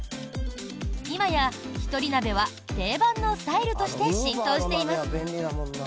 今や、ひとり鍋は定番のスタイルとして浸透しています。